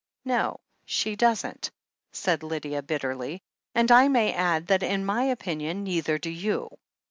"No, she doesn't," said Lydia bitterly, "and I may add that, in my opinion, neither do you.